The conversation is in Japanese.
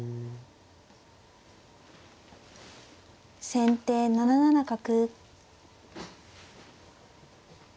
先手７七角。